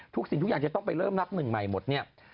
ทุกสิ่งทุกอย่างจะต้องไปเริ่มรับ๑ใหม่หมดเนี่ย